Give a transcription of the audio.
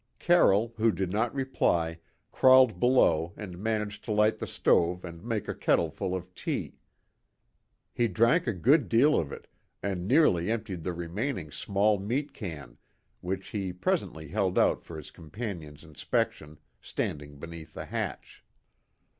Carroll, who did not reply, crawled below and managed to light the stove and make a kettleful of tea. He drank a good deal of it, and nearly emptied the remaining small meat can, which he presently held out for his companion's inspection, standing beneath the hatch.